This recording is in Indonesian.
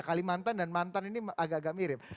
kalimantan dan mantan ini agak agak mirip